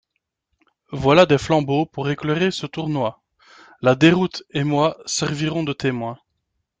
Voilà des flambeaux pour éclairer ce tournoi ; la Déroute et moi servirons de témoins.